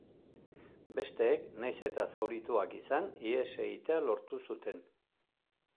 Besteek, nahiz eta zaurituak izan, ihes egitea lortu zuten.